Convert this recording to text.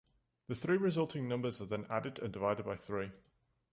The three resulting numbers are then added and divided by three.